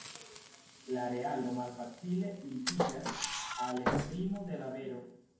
La realo malfacile ligiĝas al esprimo de la vero.